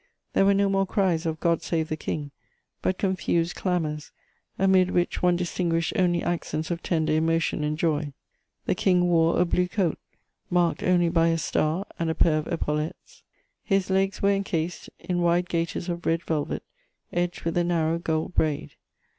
There were no more cries of 'God save the King!' but confused clamours amid which one distinguished only accents of tender emotion and joy. The King wore a blue coat, marked only by a star and a pair of epaulettes; his legs were encased in wide gaiters of red velvet, edged with a narrow gold braid.